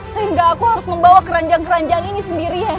sehingga aku harus membawa keranjang keranjang ini sendiri